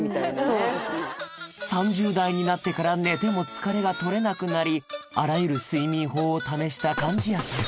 ３０代になってから寝ても疲れが取れなくなりあらゆる睡眠法を試した貫地谷さん